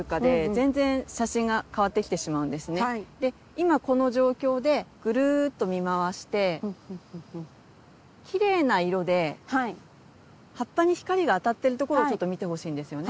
今この状況でぐるっと見回してきれいな色で葉っぱに光があたってるところをちょっと見てほしいんですよね。